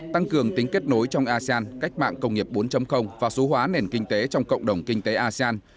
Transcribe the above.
tăng cường tính kết nối trong asean cách mạng công nghiệp bốn và số hóa nền kinh tế trong cộng đồng kinh tế asean